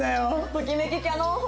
ときめきキャノン砲。